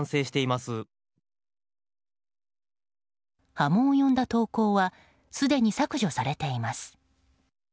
波紋を呼んだ投稿はすでに削除されています。